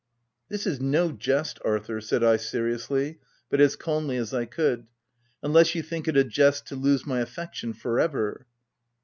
" This is no jest, Arthur," said I seriously, but as calmly as I could —" unless you think it a jest to lose my affection for ever."